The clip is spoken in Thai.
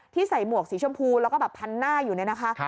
ใส่หมวกสีชมพูแล้วก็แบบพันหน้าอยู่เนี่ยนะคะ